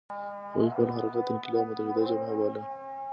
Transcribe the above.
هغوی خپل حرکت د انقلاب متحده جبهه باله.